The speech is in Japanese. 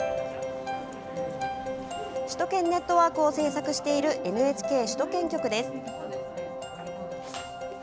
「首都圏ネットワーク」を制作しているＮＨＫ首都圏局です。